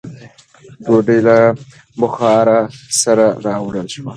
ډوډۍ له بخاره سره راوړل شوه.